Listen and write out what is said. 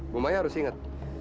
bu maya harus ingat